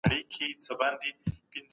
چې دوی پرې علم زده کړی.